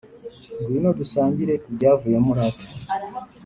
ngwino dusangire kubya vuyemo rata